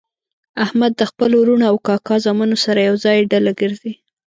احمد د خپلو ورڼو او کاکا زامنو سره ېوځای ډله ګرځي.